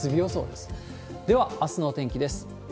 では、あすのお天気です。